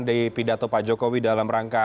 dari pidato pak jokowi dalam rangka